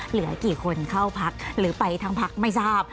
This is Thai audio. เหลือกี่คนเข้าพักหรือไปทั้งพักไม่ทราบ